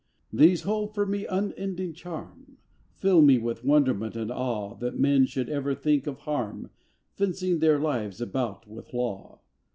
These hold for me unending charm, Fill me with wonderment and awe That men should ever think of harm, Fencing their lives about with law.